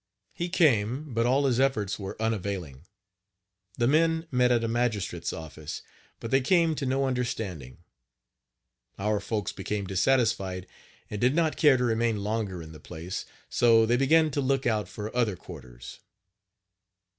He came, but all his efforts were unavailing. The men met at a magistrate's office, but they came to no understanding. Our folks became dissatisfied, and did not care to remain longer in the place, so they began to look out for other quarters.